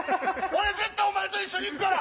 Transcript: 俺絶対お前と一緒に行くから！